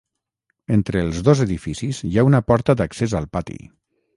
Entre els dos edificis hi ha una porta d'accés al pati.